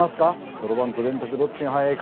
そろばんと電卓どっちが早いか。